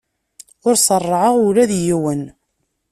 Ur ṣerrɛeɣ ula d yiwen.